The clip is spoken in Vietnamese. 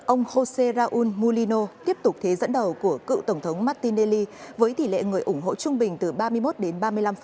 ông josé raúl molino tiếp tục thế dẫn đầu của cựu tổng thống martinelli với tỷ lệ người ủng hộ trung bình từ ba mươi một đến ba mươi năm